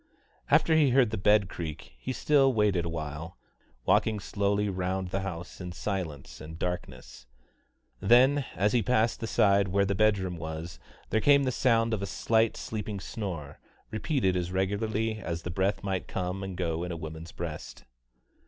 After he heard the bed creak he still waited awhile, walking slowly round the house in silence and darkness. Then, as he passed the side where the bedroom was, there came the sound of a slight sleeping snore, repeated as regularly as the breath might come and go in a woman's breast.